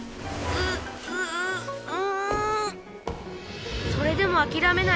うううう。